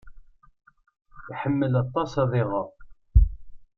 Iḥemmel aṭas ad iɣer.